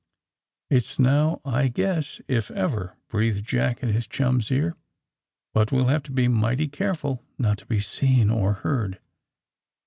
^^It's now, I guess, if ever!'' breathed Jack in his chum's ear. ^^But we'll have to be mighty careful, not to be seen or heard!'